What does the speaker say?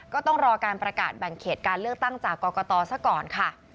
ก็ต้องรอการประกาศแบ่งเขตการเลือกตั้งจากกรกตซะก่อนค่ะ